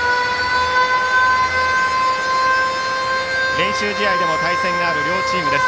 練習試合でも対戦がある両チームです。